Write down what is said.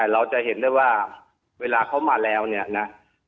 เราจะเห็นได้ว่าเวลาเขามาแล้วเนี่ยนะ